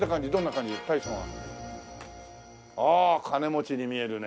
金持ちに見えるね。